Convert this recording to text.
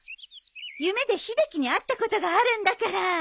夢で秀樹に会ったことがあるんだから。